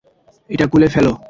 এটা খুলে ফেলো।